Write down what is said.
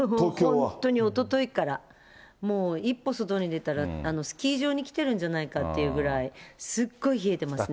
本当におとといから、もう一歩外に出たら、スキー場に来てるんじゃないかっていうぐらい、すっごい冷えてますね。